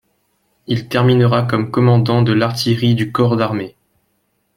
Il terminera comme commandant de l’Artillerie du Corps d’Armée.